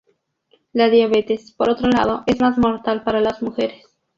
La diabetes, por otro lado, es más mortal para las mujeres.